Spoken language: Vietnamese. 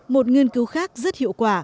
một nghiên cứu khác rất hiệu quả